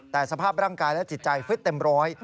แต่สภาพร่างกายและจิตใจฟึดเต็มร้อย